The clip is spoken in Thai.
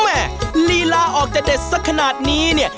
ลีลาออกจะเด็ดสักขนาดนี้เนี่ย